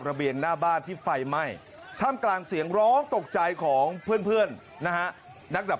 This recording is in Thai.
เบียนหน้าบ้านที่ไฟไหม้ท่ามกลางเสียงร้องตกใจของเพื่อนนะฮะนักดับ